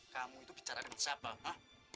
kamu itu bicara dengan siapa ha